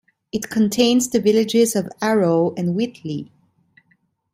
It contains the villages of Arrow and Weethley.